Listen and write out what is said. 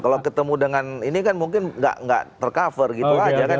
kalau ketemu dengan ini kan mungkin nggak tercover gitu aja kan